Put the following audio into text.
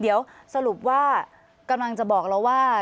เดี๋ยวสรุปว่ากำลังจะบอกเราว่า